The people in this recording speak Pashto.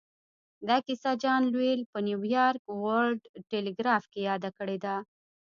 دا کيسه جان لويل په نيويارک ورلډ ټيليګراف کې ياده کړې ده.